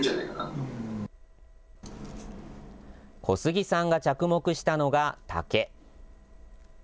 小杉さんが着目したのが竹。